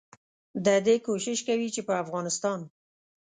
ددې کوشش کوي چې په افغانستان